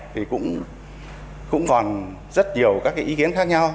thì cũng còn rất nhiều các cái ý kiến khác nhau